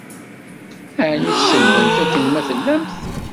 Ɛni tselbemt akken ma tellamt?